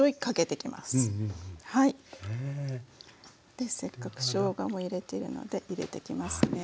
でせっかくしょうがも入れてるので入れてきますね。